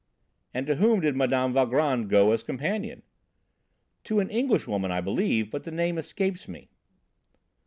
"And to whom did Mme. Valgrand go as companion?" "To an Englishwoman, I believe, but the name escapes me."